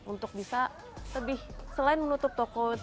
untuk bisa lebih selain menutup toko